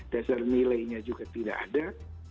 dasar nilainya juga tidak ada